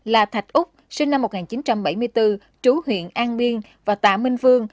là thạch úc sinh năm một nghìn chín trăm bảy mươi bốn trú huyện an biên và tạ minh vương